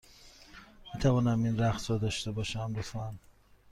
می توانم این رقص را داشته باشم، لطفا؟